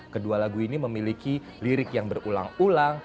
kedua lagu ini memiliki lirik yang berulang ulang